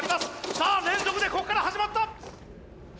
さあ連続でこっから始まった！